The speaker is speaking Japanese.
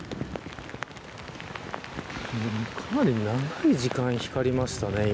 かなり長い時間光りましたね、今。